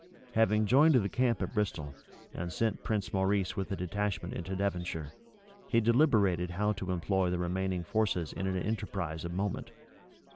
Having joined the camp at Bristol, and sent Prince Maurice with a detachment into Devonshire, he deliberated how to employ the remaining forces in an enterprise of moment.